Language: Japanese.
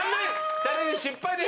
チャレンジ失敗です。